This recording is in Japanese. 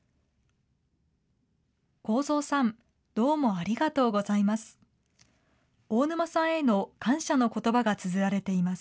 孝三さん、どうもありがとうございます。